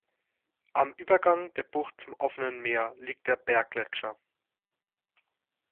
Am Übergang der Bucht zum offenen Meer liegt der Bear-Gletscher.